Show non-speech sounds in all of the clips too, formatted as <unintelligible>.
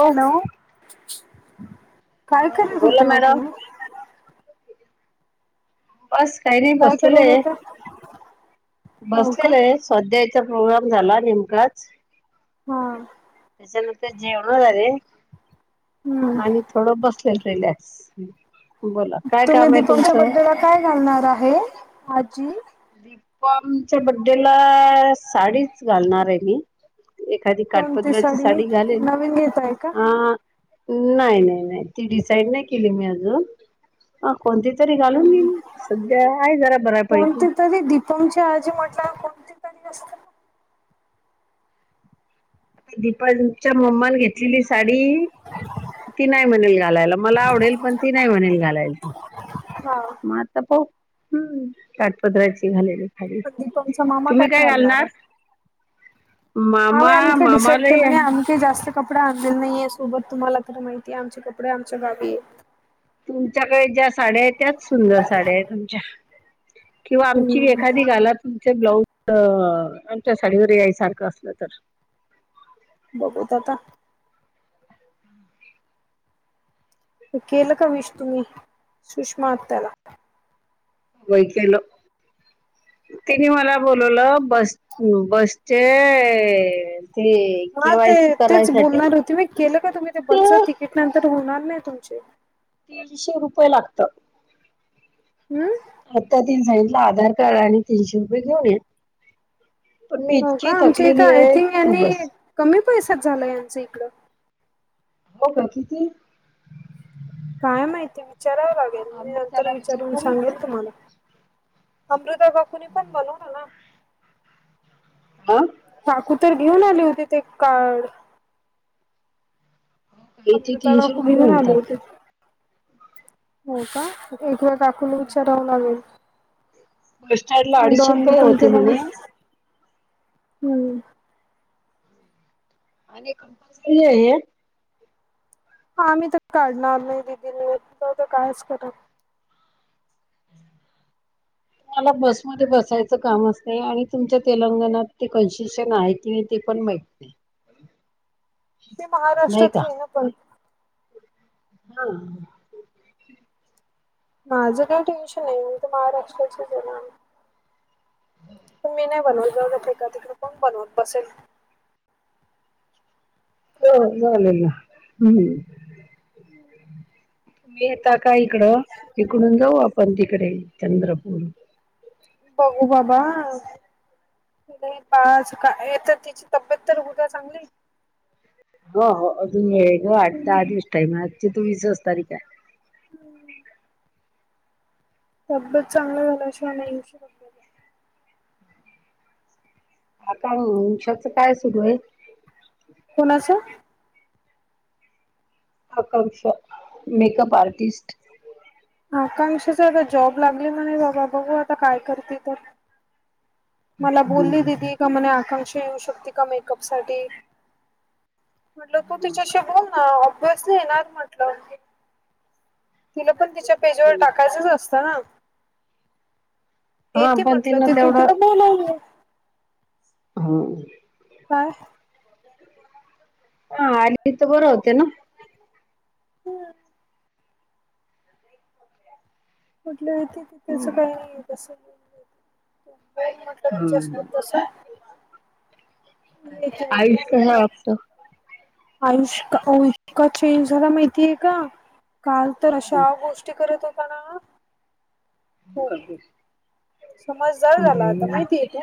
Hello काय हा करत बोला होते ओ मॅडम तुम्ही. बस काही नाही काय बसलेले करत आहे. होता? हो का? बसलेलं आहे स्वाध्याय चा प्रोग्राम झाला नेमका आज. हा. त्याच्यानंतर जेवण झाली हम्म आणि थोडं बसले रिलॅक्स बोला काय तुम्ही काम आहे दीपमच्या तुमचं. बड्डेला काय घालणार आहे आजी. दीपमच्या बड्डेला साडीच घालणार आहे मी. एखादी कोणती काठपदराची साडी घालेल नवीन घेताय का? आ. नाही नाही नाही ती डिसाईड नाही केली मी अजून. ह कोणती तरी घालून घेईन सध्या आहे जरा बऱ्यापैकी. तुम्ही दीपमची आजी म्हटल्यावर कोणती तरी असते ना दीपन च्या मम्माने घेतलेली साडी ती नाही म्हणेल घालायला मला आवडेल पण ती नाही म्हणेल घालायला. हा मग आता पाहू ह् काठपदराची घालेली. पण दीपमचा मामा तुम्ही काय घालणार आहे? मामा डिसाइड मामालाही केलं आहे नाही अजून. हे जास्त कपडे आणलेले नाहीे सोबत तुम्हाला तर माहितीये आमचे कपडे आमच्या गावी आहेत. तुमच्याकडे ज्या साड्या आहेत त्याच सुंदर साड्या आहे तुमच्या. किंवा आमची एखादी गाला तुमचा ब्लाउज अ आमच्या साडीवर याय सारखं असलं तर. बघूत आता. ते केलं का विष तुम्ही सुषमा आत्याला. वै केलं. तिनी मला बोलवलं बस बसचे. ते. ह ते केवायसी तेच करायसाठी बोलणार होती मी केलं का तुम्ही ते बसचं तिकीट नंतर होणार नाही तुमचे. तीनशे रुपये लागत. हम्म आत्ता तीन सांगितलं आधार कार्ड आणि तीनशे रुपये घेऊन या पण मी हो का इतकी आमच्या इथं थकलेली आय आहे थिंक की यांनी बस. कमी पैशात झालं यांचं इकड. हो का किती. काय माहिती विचारावं लागेल मी नंतर अमृताला विचार विचारून बरं सांगेल तुम्हाला. अमृता काकूणी पण बनव ना ना आ काकू तर घेऊन आली होती ते कार्ड इथे अमृता तीनशे काकू रुपये घेऊन आली म्हणतात होते हो का एकदा काकून विचारावे लागेल बस स्टँडला अडीचशे बन रुपये प होते म्हणे हम्म <unintelligible> आणि कंपल्सरी आहे हा आम्ही तर काढणार नाही दिदी कायच करत मला बसमध्ये बसायचं काम असते आणि तुमच्या तेलंगणात ते कन्सेशन आहे की नाही ते पण माहित <inaudible> ते नाही का महाराष्ट्रातले आहे ना पण. <unintelligible> माझं काही टेन्शन नाही. मी तर महाराष्ट्राचीच ए ना? त मी नाही बनवत. जाऊ द्या फेका तिकडे. कोण बनवत बसेल? ह हो ना झालेली. हम्म. येता का इकडं? इकडून जाऊ आपण तिकडे चंद्रपूर. बघू बाबा. नाही पाच का? तर तिची तब्येत तर होउ द्या चांगली. हो हो. अजून वेळे ग! आठ दहा दिवस टाईम आहे. आजची तं विसच तारीख आहे. तब्येत चांगली झाल्याशिवाय नाही <unintelligible> आता अ वंशाचं काय सुरू आहे? कोणाचं? आकांक्षा. Makeup artist. आकांक्षाच. आता जॉब लागले म्हणे बाबा. बघू आता काय करती तर. मला बोलली हम्म. दिदी का म्हणे आकांक्षा येऊ शकते का मेकअप साठी? म्हटल तू तिच्याशी बोल ना. कशी येणार म्हटलं. तिला पण तिच्या- पेज वर टाकायचच असतं ना? म. येते पण म्हटलं तिन ते तू तिला तेवढं- बोलावलं हम्म. काय? हा. आणि <unintelligible> बरं होते ना? <unintelligible> कुठलं य हम्म. तिथ <unintelligible> आयुष कसा वागतो <inaudible> आयुष का? इतका चेंज झाला माहितीय का? काल तर अशा गोष्टी करत होता ना? खूप <unintelligible> समजदार झाला आता. बाई माहितीय का?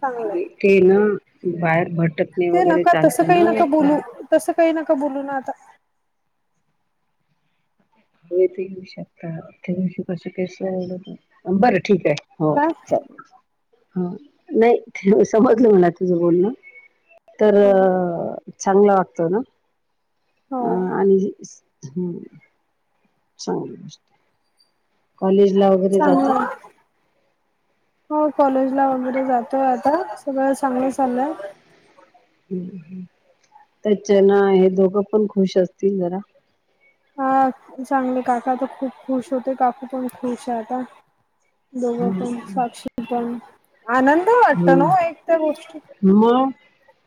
चांगलंय ते ना. बाहेर भर- ते नका. तसं काही नका बोलू. तसं काही नका बोलू ना आता. हे ते येेऊ शकता. <unintelligible> बरं ठीक आहे. हो काय चालेल. नाही समजलं मला तुझं बोलणं. तर हो अ चांगला वागतो ना? हो अ आणि- हम्म. चांगली गोष्ट ए. कॉलेज ला- वगैरे जातो चांगलय. हो कॉलेजला वगैरे जातोय आता. सगळं चांगल चाललंय. हं. हं. त्याच्या न हे दोघं पण खुश असतील जरा. हा. चांगले काकात खूप खुश होते. काकू पण खुश आहे आता. दोघं पण. हम्म साक्षी पण. आनंद? ब वाटत ना एक तर गोष्टी. मग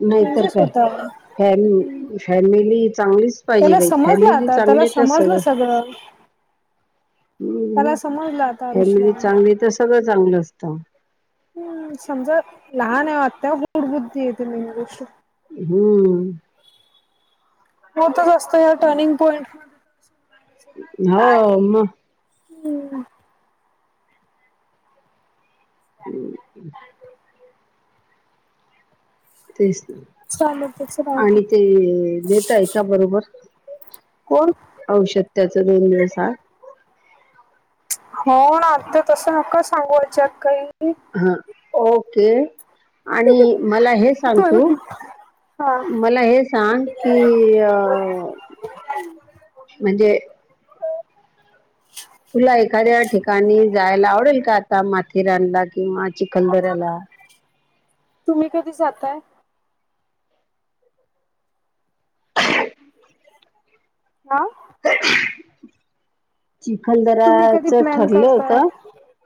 नाहीतर चेंजेस काय होताय. हम्म. फॅम फॅमिली चांगलीच पाहिजे बाई. फॅमिली चांगली तर सगळं- व्हय. हम्म. आता आयुषला फॅमिली चांगली तर सगळं चांगलं असतं. हम्म. समजा लहान आहे आत्ता. गूढबुद्धी येते मेन गोष्ट. हम्म. होतच असतं या टर्निंग पॉईंट मध्ये तर. हो म हम्. हम्. तेच चालतच ना राहते आणि ते देताय बरोबर कोण औषध त्याच दोन दिवस आड. हो आता तसं नका सांगु याच्यात काही. हा ओके आणि मला हेच सांग तू हा मला हे सांग. कि अ म्हणजे. अ <unintelligible> तुला एखाद्या ठिकाणी जायला आवडेल का आता माथेरानला किंवा चिखलदऱ्याला. तुम्ही कधी जातय. ह <unintelligible> हा. तुम्ही कधी चिखलदराच प्लॅन ठरलं होत. करताय?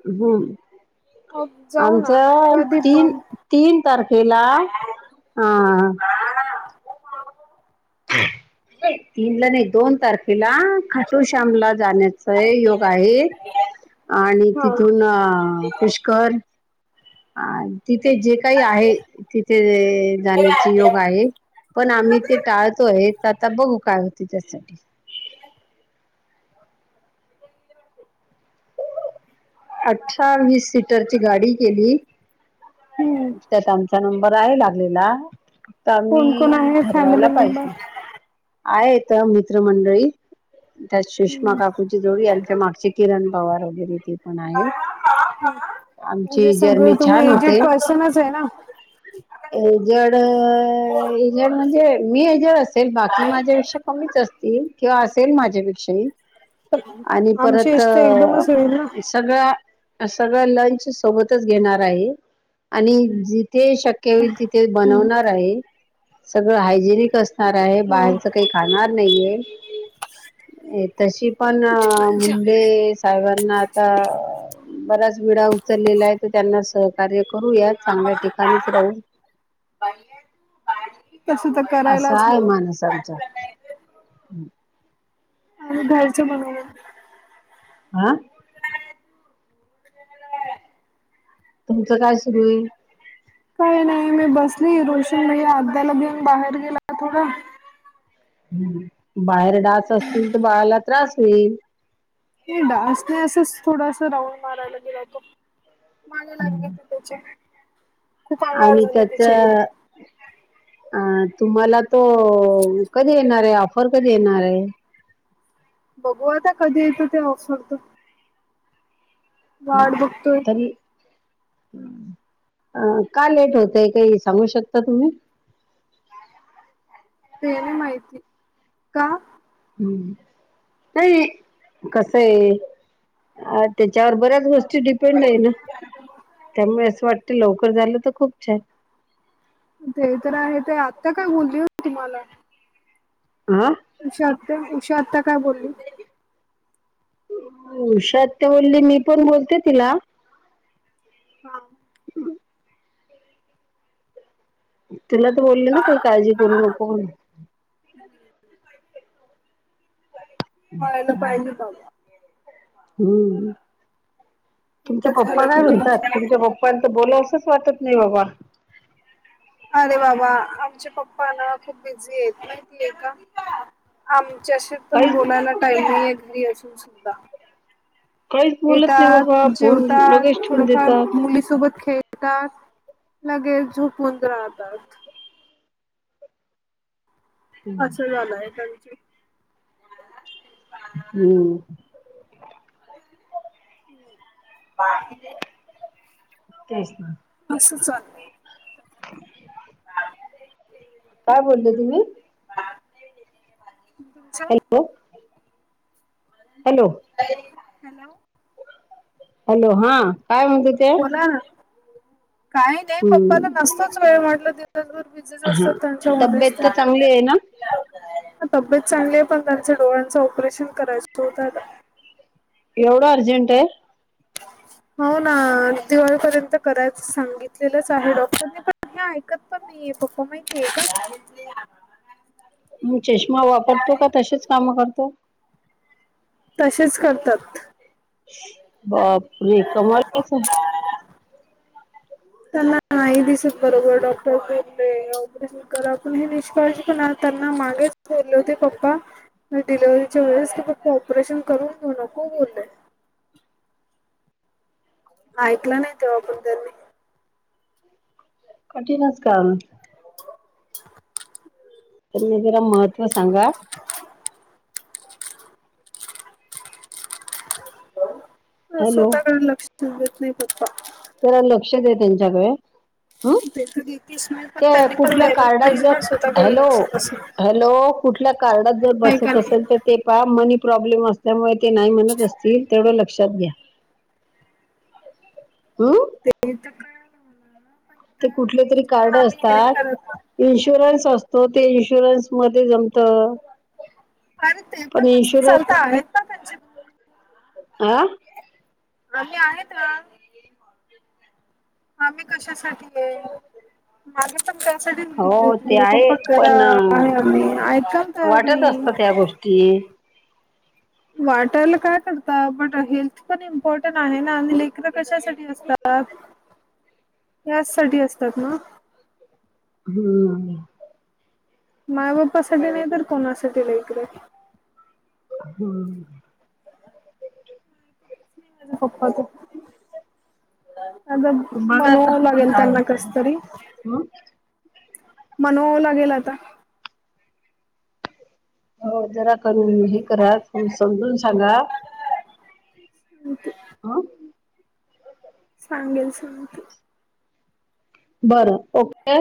हम्म हो जाऊ ना आमचा कधी तीन पण तीन तारखेला अ तीन ला नाही दोन तारखेला खटुश्यामला जाण्या सय योग आहे आणि हा. तिथून अ पुष्कर ह तिथे जे काही आहे तिथे जाण्याचे योग आहे. पण आम्ही ते टाळतोय आता बघू काय होते त्यासाठी. अठरावीस सीटरची गाडी केली. हम्म. त्यात आमचा नंबर आहे लागलेला तर कोण कोण आम्ही आहे ठरवायला फॅमिली मेंबर? पाहिजे. आहेेत मित्र मंडळी त्यात सुष्मा हम्म काकू जोडी मागचे किरण पवार वगैरे ते. पण आहेत. ह म्हणजे आमची सगळे जर्नी तुम्ही छान एजेड पर्सनच आहे ना. हेजडजड म्हणजे मी हेजड असेल बाकी माझ्या विष्यात कमीच असतील किंवा असेल माझ्यापेक्षाही आणि आमची परत एज तर एकदमच होईल ना सगळ सगळं लंच सोबतच घेणार आहे आणि जिथे शक्य तिथे हम्म बनवणार आहे सगळ हायजेनिक अस आहे हो. बाहेरच काही खाणार नाहीे तशी पण छान छान. मुंडे साहेबांना आता बराच वेळा उचललेला आहे तर त्यांना सहकार्य करूयात चांगल्या ठिकाणीच राहू. पाहिे <unintelligible> असा आहे माणस आमचा. आम्ही बाहेरच बनवलं. आं. तुमचं काय सुरू आहेईल. काही नाही मी बसली रोशन भैया अ्याला घेऊन बाहेर गेला थोडा बाहेर डास असतील तर बाळाला त्रास होईल हे डान्स नाही असंच थोडासा राऊंड मारायला गेलाय तो मारायलाग ते हम्म. त्याचे आणि त्याच आई आता. अ तुम्हाला तो कधी येणार आहे ऑफर कधी येणार आहे बघू आता कधी येतं ते ऑसरत ह बघतोय तरी अ का लेट होतय काही सांगू शकता तुम्ही तेणे माहिती का हम्म नाही कस आहे अ त्याच्यावर बरच होत डिपेंड आहे ना त्यामुळे असं वाटत लवकर झालं तर खूप छान ते तर आहे ते आत्ता काय बोलली होती तुम्हाला आं उषात उषा आता काय बोलली शत्यवल्ली मी पण बोलते तिला हा तुला तर बोलले ना काही काळजी करू नको हम् हला पाहिजे काम हम्म तुमचे एकदा पप्पा झालं काय की म्हणतात टेन्शन तुमच्या पप्पा पण त बोला असंच वाटत नाही बाबा अरे बाबा आमच्या पप्प ना खूप बिझी आहेत माहिती आहे का आमच्याशी पण काहीच बोलायला टाईम नाही आहे घरी असून सुद्धा काहीच बोलत नाही येतात बाबा फोन जेवतात लगेच ठेवून थोडफार देतात मुलीसोबत खेळ लगेच झोपून राहतात असं झालं आहे काचे हम्म बाकी तेच ना असचल काय बोलता तुम्ही बा हॅलो हॅलो हॅलो हॅलो हा काय म्हणत ते बोला ना काही नाही पप्पाला हम्म नसतोच वेळ म्हटल दिवसभर जुस हा सत्तनच्यामध्येस् तब्येत तर चांगली आहे ना तब्येत चांगली आहे पण त्यांच डोळ्यांचं ऑपरेशन करायचं होत एवढं अर्जंट आहे ह हो ना दिवाळीपर्यंत करायचं सांगितलेलंच आहे डॉक्टरनी पण हे ऐकत पण परफॉर्मे का मग चष्मा वापरतो का तसेच काम करतो तसेच करतात बाप रे कमलाच आहे ईद दिसात बरोब डॉक्टर बे आपण हे निष्काळजी पणा त्यांना मागेच बोलले होते पप्पा डिलेव्हीरच्या वेळेस की फक्त ऑपरेशन करून घेऊ नको बोलले ऐकलं नाही तेव्हा पण त्यांनी कठीनच कामं तर मी तिला महत्व सांगा <unintelligible> हॅलो स्वतःकडे लक्ष देऊ देत नाही पप्पा जरा लक्ष दे त्यांच्याकडे हं ते तर देतेस नाही पण त्या त्यांनी पण कुठल्या द्यायला कार्डात पाहिजे जर ना स्वतःकडे हॅलो लक्ष तसं हॅलो कुठल्या कार्डात जर नाही का बसत नाही असेल तर ते पा मनी प्रॉब्लेम असल्यामुळे ते नाही म्हणत असतील तेवढं लक्षात घ्या ह <unintelligible> ते कुठले तरी गोष्टी पण कार्ड आम्ही हे नाही करत असतात इन्शुरन्स असतो ते इन्शुरन्स मध्ये जमत अरे ते पण मस्त चालता आहेत ना त्यांची आं आली हं आहेत आम्ही कशासाठी <inaudible> प त्यासाठी हो ते आहे पप्पा करा पण आहे आम्ही ऐकाल तर नाही ते वाठारला काय करता बट हेल्थ पण इम्पॉर्टंट आहे ना आणि लेकर कशासाठी असतात त्याचसाठी असतात ना हम्म माय बाप्पासाठी नाही तर कोणासाठी लेकरं हम्म <unintelligible> अगं मनवावं लागेल त्यांना कसं तरी हम मनवावं लागेल आता हो जरा कं ही करा तुम्ही समजून सांगा <unintelligible> अं सांगेल सांगते बरं ओके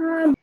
हा